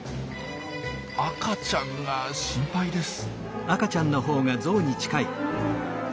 赤ちゃんが心配です。